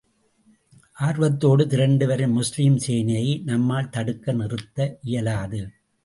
ஆர்வத்தோடு திரண்டு வரும் முஸ்லிம் சேனையை, நம்மால் தடுத்த நிறுத்த இயலாது.